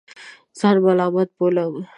ځان ملامت بولم.